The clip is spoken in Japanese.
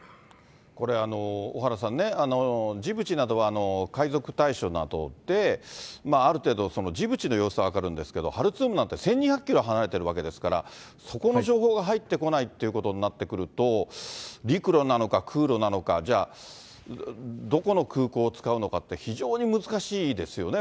これ、小原さんね、ジブチなどは海賊対処などである程度、ジブチの様子は分かるんですけど、ハルツームなんて１２００キロ離れてるわけですから、そこの情報が入ってこないということになってくると、陸路なのか、空路なのか、じゃあ、どこの空港を使うのかって、非常に難しいですよね。